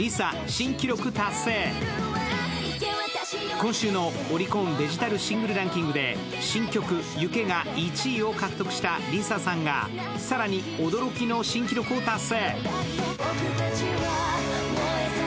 今週のオリコンデジタルシングルランキングで新曲「往け」が１位を獲得したＬｉＳＡさんが更に驚きの新記録を達成。